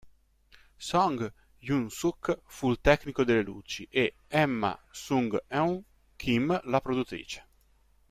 Song Hyun-suk fu il tecnico delle luci e Emma Sung-eun Kim la produttrice.